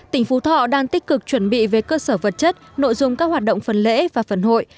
tỉnh phú thọ đang tích cực chuẩn bị về cơ sở vật chất nội dung các hoạt động phần lễ và phần hội